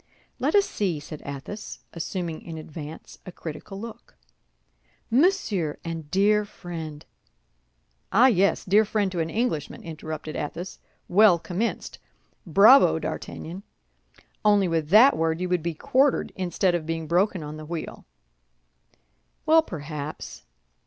"Let us see," said Athos, assuming in advance a critical look. "Monsieur and dear friend—" "Ah, yes! Dear friend to an Englishman," interrupted Athos; "well commenced! Bravo, D'Artagnan! Only with that word you would be quartered instead of being broken on the wheel." "Well, perhaps.